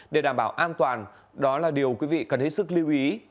để đảm bảo an toàn đó là điều quý vị cần hết sức lưu ý